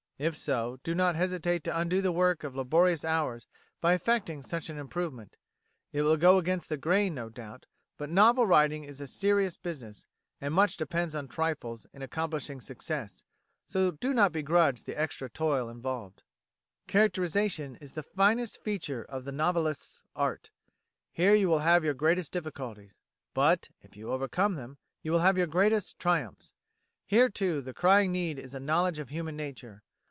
If so, do not hesitate to undo the work of laborious hours by effecting such an improvement. It will go against the grain, no doubt; but novel writing is a serious business, and much depends on trifles in accomplishing success; so do not begrudge the extra toil involved. Characterisation is the finest feature of the novelist's art. Here you will have your greatest difficulties, but, if you overcome them, you will have your greatest triumphs. Here, too, the crying need is a knowledge of human nature.